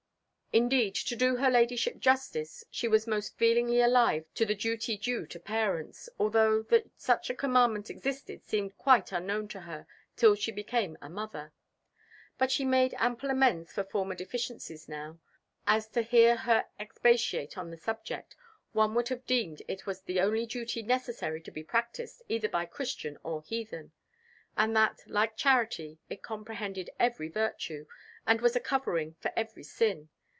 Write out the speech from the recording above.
Indeed, to do her Ladyship justice, she was most feelingly alive to the duty due to parents, though that such a commandment existed seemed quite unknown to her till she became a mother. But she made ample amends for former deficiencies now; as to hear her expatiate on the subject, one would have deemed it the only duty necessary to be practised, either by Christian or heathen, and that, like charity, it comprehended every virtue, and was a covering for every sin.